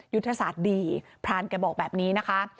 ยุทธศาสตร์ดีพรานแกบอกแบบนี้นะคะ